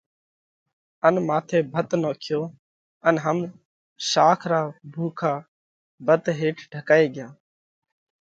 ان ماٿئہ ڀت نوکيو ان هم شاک را ڀُوڪا ڀت هيٺ ڍڪائي ڳيا۔